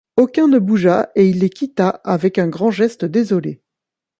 Aucun ne bougea, et il les quitta, avec un grand geste désolé.